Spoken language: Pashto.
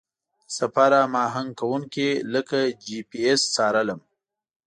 د سفر هماهنګ کوونکي لکه جي پي اس څارلم.